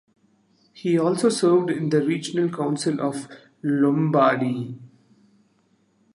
He also served in the Regional Council of Lombardy.